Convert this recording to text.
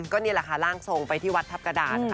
ก็นี่แหละค่ะร่างทรงไปที่วัดทัพกระดานนะคะ